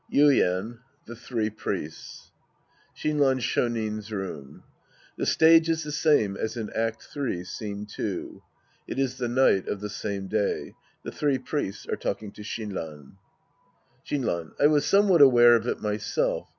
YuiEN. The Three Priests. (Shinran ShOnin's room. The stage is the same as in Act III, Scene II. It is the night of the same day. The three Priests are talking to Shinran.) Shinran. I was somewhat aware of it myself.